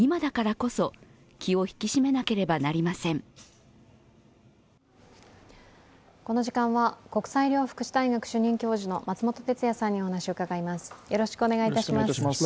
この時間は国際医療福祉大学主任教授の松本哲哉さんにお話を伺います。